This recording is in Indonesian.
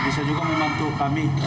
bisa juga membantu kami